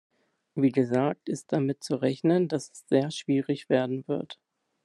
Wie gesagt ist damit zu rechnen, dass es sehr schwierig werden wird.